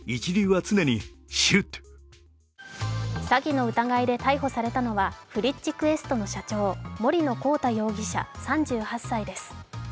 詐欺の疑いで逮捕されたのはＦＲｉｃｈＱｕｅｓｔの社長、森野広太容疑者３８歳です。